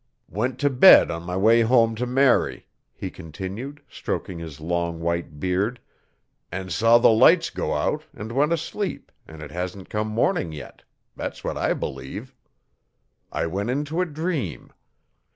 'Went to bed on my way home to marry,' he continued, stroking his long white beard, 'and saw the lights go out an' went asleep and it hasn't come morning yet that's what I believe. I went into a dream.